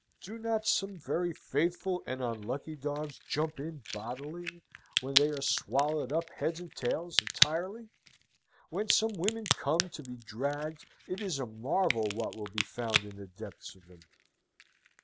Do not some very faithful and unlucky dogs jump in bodily, when they are swallowed up heads and tails entirely? When some women come to be dragged, it is a marvel what will be found in the depths of them.